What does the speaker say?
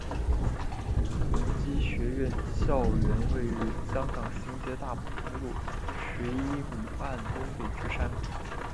崇基学院校园位于香港新界大埔公路十一咪半东北之山谷。